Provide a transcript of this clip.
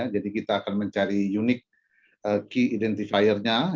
jadi kita akan mencari unique key identifier nya